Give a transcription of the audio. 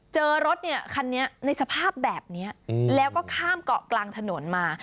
เจอรถเนี่ยคันนี้ในสภาพแบบนี้แล้วก็ข้ามเกาะกลางถนนมา